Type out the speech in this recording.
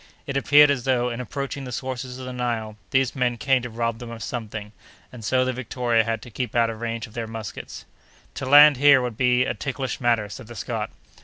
It appeared as though, in approaching the sources of the Nile, these men came to rob them of something, and so the Victoria had to keep out of range of their muskets. "To land here would be a ticklish matter!" said the Scot.